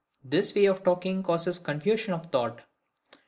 This way of talking causes confusion of thought.